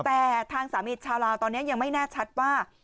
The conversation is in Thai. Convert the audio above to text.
แต่ทางสามีชาวลาวตอนนี้ยังไม่แน่ชัดว่า